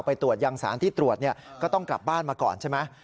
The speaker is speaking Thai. ไปตรวจยังสารที่ตรวจก็ต้องกลับบ้านมาก่อนใช่ไหม